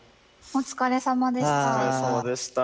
お疲れさまでした。